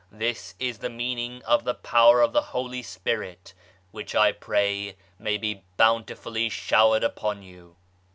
This is the meaning of the Power of the Holy Spirit, which I pray may be bountifully showered upon you.